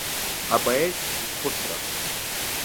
Апоет изхәыцра…